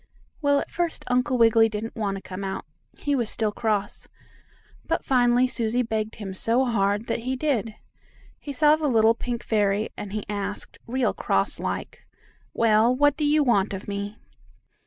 Well, at first Uncle Wiggily didn't want to come out. He was still cross, but finally Susie begged him so hard that he did. He saw the little pink fairy, and he asked, real cross like: "Well, what do you want of me?"